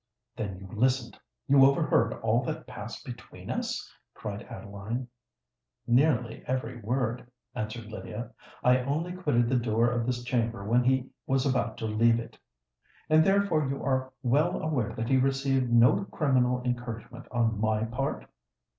"Then you listened—you overheard all that passed between us?" cried Adeline. "Nearly every word," answered Lydia: "I only quitted the door of this chamber when he was about to leave it." "And therefore you are well aware that he received no criminal encouragement on my part?"